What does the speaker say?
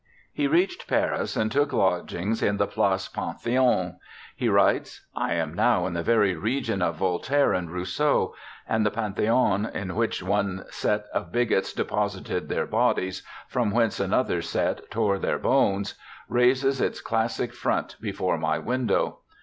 He reached Paris and took lodgings in the Place Pantheon. He writes, * I am now in the very region of Voltaire and Rousseau ; and the Pantheon, in which one set of bigots deposited their bodies, from whence another set tore their bones, raises its classic front before my window.